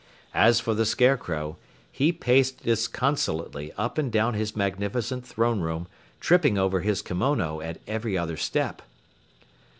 As for the Scarecrow, he paced disconsolately up and down his magnificent throne room, tripping over his kimona at every other step.